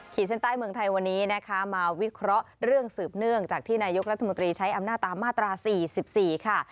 เส้นใต้เมืองไทยวันนี้นะคะมาวิเคราะห์เรื่องสืบเนื่องจากที่นายกรัฐมนตรีใช้อำนาจตามมาตรา๔๔ค่ะ